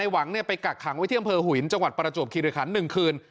หวังไปกักขังไว้ที่อำเภอหุยจังหวัดประจวบคิริคัน๑คืน